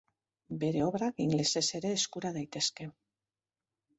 Bere obrak ingelesez ere eskura daitezke.